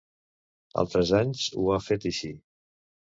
Altres anys ho ha fet així.